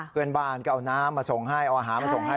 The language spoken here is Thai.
เพื่อนบ้านก็เอาน้ำมาส่งให้เอาหามาส่งให้